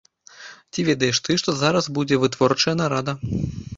Ці ведаеш ты, што зараз будзе вытворчая нарада?